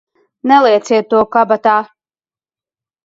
Nelieciet to kabatā!